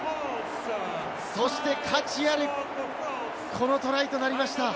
そして価値あるこのトライとなりました。